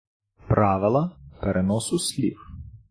Правила переносу слів